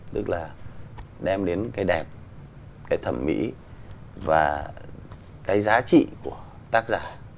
tức là đem đến cái đẹp cái thẩm mỹ và cái giá trị của tác giả